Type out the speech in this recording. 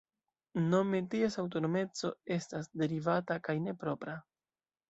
Nome ties aŭtonomeco estas "derivata", kaj ne "propra".